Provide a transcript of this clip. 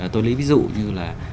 tôi lấy ví dụ như là